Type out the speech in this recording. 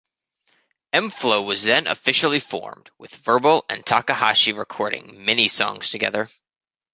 M-Flo was then officially formed, with Verbal and Takahashi recording many songs together.